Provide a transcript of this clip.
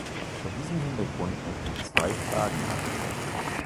Vor diesem Hintergrund möchte ich zwei Fragen ansprechen.